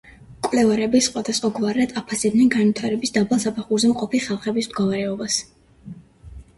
მკვლევარები სხვადასხვაგვარად აფასებდნენ განვითარების დაბალ საფეხურზე მყოფი ხალხების მდგომარეობას.